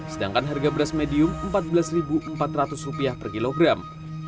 sedangkan harga beras medium rp empat belas empat ratus per kilogram